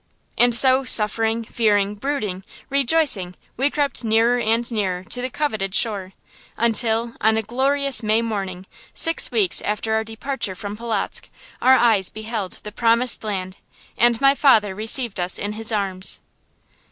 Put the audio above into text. And so suffering, fearing, brooding, rejoicing we crept nearer and nearer to the coveted shore, until, on a glorious May morning, six weeks after our departure from Polotzk, our eyes beheld the Promised Land, and my father received us in his arms.